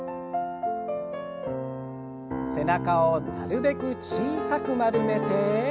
背中をなるべく小さく丸めて。